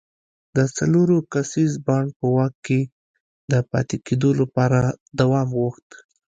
د څلور کسیز بانډ په واک کې د پاتې کېدو لپاره دوام غوښت.